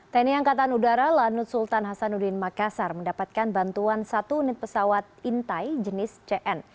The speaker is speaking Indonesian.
tni angkatan udara lanut sultan hasanuddin makassar mendapatkan bantuan satu unit pesawat intai jenis cn